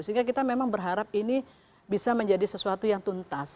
sehingga kita memang berharap ini bisa menjadi sesuatu yang tuntas